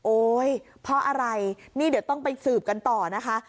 โอ๊ยเพราะอะไรนี่เดี๋ยวต้องไปสืบกันต่อนะคะ